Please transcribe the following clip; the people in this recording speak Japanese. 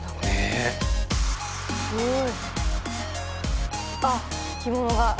えすごい。